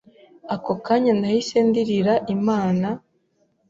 Ako kanya nahise ndirira Imana,